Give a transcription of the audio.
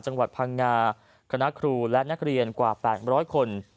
จังหวัดพังงาคณะครูและนักเรียนกว่า๘๐๐คน